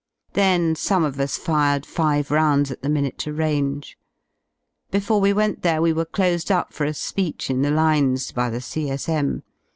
Then some of us fired five rounds at the miniature range. Before we went there we were closed up for a speech in the lines, by the C.S.M.